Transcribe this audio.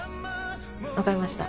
わかりました。